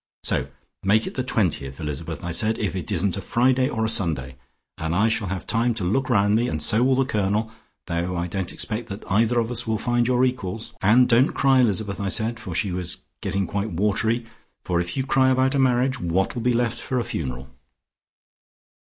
'So make it the 20th, Elizabeth,' I said, 'if it isn't a Friday or a Sunday, and I shall have time to look round me, and so will the Colonel, though I don't expect that either of us will find your equals! And don't cry, Elizabeth,' I said, for she was getting quite watery, 'for if you cry about a marriage, what'll be left for a funeral?'"